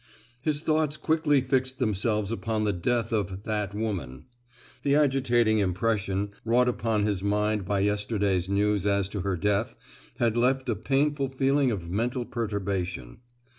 His thoughts quickly fixed themselves upon the death of "that woman." The agitating impression wrought upon his mind by yesterday's news as to her death had left a painful feeling of mental perturbation.